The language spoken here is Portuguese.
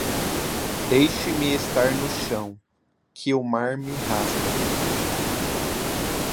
Deixe-me estar no chão, que o mar me rasga.